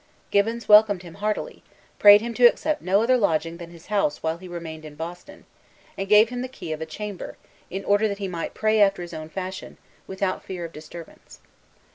Gibbons welcomed him heartily, prayed him to accept no other lodging than his house while he remained in Boston, and gave him the key of a chamber, in order that he might pray after his own fashion, without fear of disturbance.